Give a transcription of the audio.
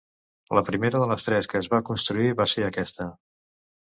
La primera de les tres que es va construir va ser aquesta.